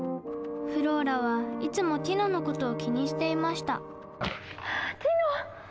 フローラはいつもティノのことを気にしていましたティノ！